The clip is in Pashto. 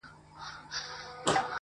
چي تر پام دي ټول جهان جانان جانان سي,